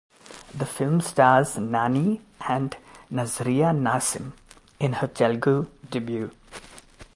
The film stars Nani and Nazriya Nazim (in her Telugu debut).